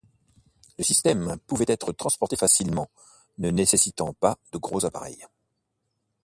Le système pouvait être transporté facilement, ne nécessitant pas de gros appareils.